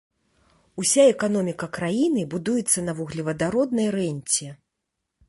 Уся эканоміка краіны будуецца на вуглевадароднай рэнце.